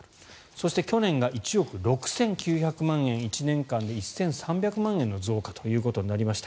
そして、去年が１億６９００万円１年間で１３００万円の増加となりました。